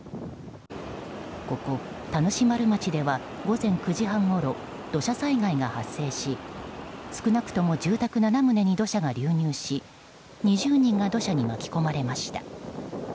ここ田主丸町では午前９時半ごろ土砂災害が発生し少なくとも住宅７棟に土砂が流入し２０人が土砂に巻き込まれました。